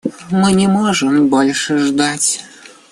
Мы не можем больше ждать.